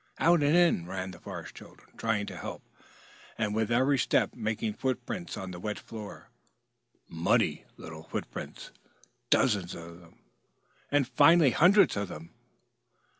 Out and in ran the Forest Children trying to help, and with every step making foot prints on the wet floor, muddy little foot prints, dozens of them and finally hundreds of them.